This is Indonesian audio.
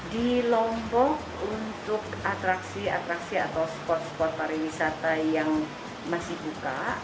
di lombok untuk atraksi atraksi atau spot spot pariwisata yang masih buka